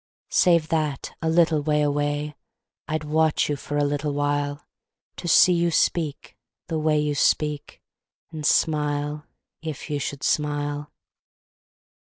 Save that, a little way away, I'd watch you for a little while, To see you speak, the way you speak, And smile, if you should smile.